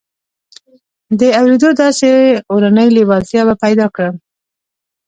د اورېدو داسې اورنۍ لېوالتیا به پيدا کړم.